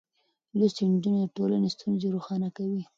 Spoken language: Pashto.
لوستې نجونې د ټولنې ستونزې روښانه کوي.